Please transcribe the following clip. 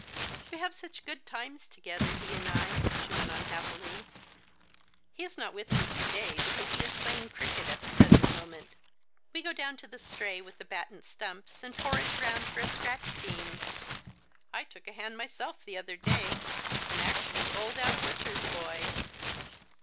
" We have such good times together, he and I," she went on happily ;" he is not with me to day, because he is playing cricket at the present moment. We go down to the Stray with the bat and stumps, and forage round for a scratch team. I took a hand myself the other day, and actually bowled out a butcher's boy